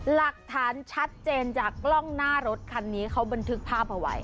หลักฐานชัดเจนจากกล้องหน้ารถคันนี้เขาบันทึกภาพเอาไว้